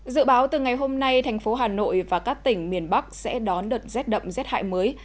dự báo từ ngày hôm nay thành phố hà nội và các tỉnh miền bắc sẽ đón đợt rét đậm rét hại mới